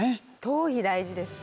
頭皮大事です。